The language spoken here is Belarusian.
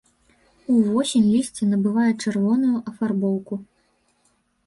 Увосень лісце набывае чырвоную афарбоўку.